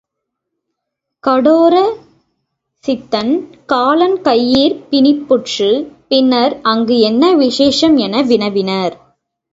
கடோரசித்தன் காலன் கையிற் பிணிப்புற்ற பின்னர் அங்கு என்ன விசேஷம்? என வினவினர்.